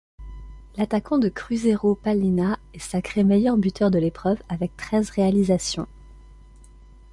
L'attaquant de Cruzeiro Palhinha est sacré meilleur buteur de l'épreuve avec treize réalisations.